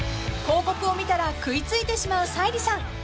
［広告を見たら食いついてしまう沙莉さん］